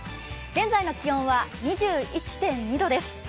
現在の気温は２１．２度です。